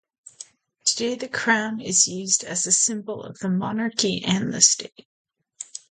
Today the crown is used as a symbol of the monarchy and the state.